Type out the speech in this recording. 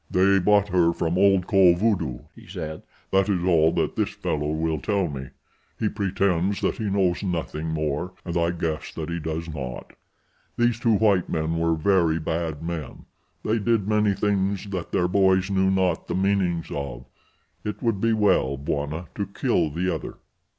"They bought her from old Kovudoo," he said. "That is all that this fellow will tell me. He pretends that he knows nothing more, and I guess that he does not. These two white men were very bad men. They did many things that their boys knew not the meanings of. It would be well, Bwana, to kill the other."